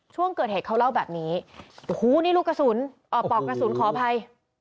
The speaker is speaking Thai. ช่วงเกิดเหตุเขาเล่าแบบนี้โอ้โหนี่ลูกกระสุนปอกกระสุนขออภัย